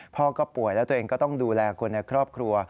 พ่อก็ป่วยแล้วตัวเองก็ต้องดูแลคนในครอบครัว